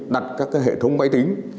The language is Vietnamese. đặt các hệ thống máy tính